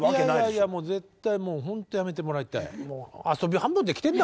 いやいやもう絶対ほんとやめてもらいたい。